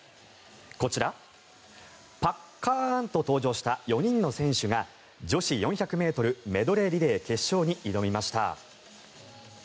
こちら、パッカーンと登場した４人の選手が女子４００ｍメドレーリレー決勝に挑みました。